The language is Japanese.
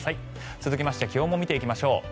続きまして気温も見ていきましょう。